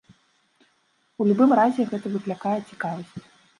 У любым разе гэта выклікае цікавасць.